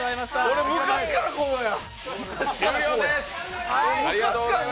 俺、昔からこうや。